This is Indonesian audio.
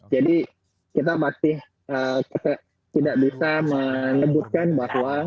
jadi kita pasti tidak bisa menyebutkan bahwa